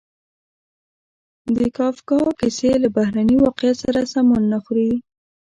د کافکا کیسې له بهرني واقعیت سره سمون نه خوري.